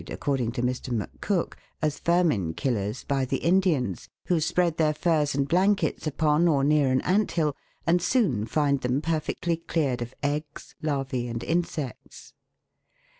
according to Mr. McCook, as vermin killers by the Indians, who spread their furs and blankets upon or near an ant hill and soon find them perfectly cleared of eggs, larvae, and insects.